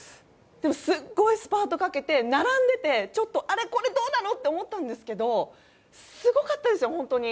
でもすごいスパートかけて並んでいて、これどうなのって思ったんですがすごかったですよ、本当に。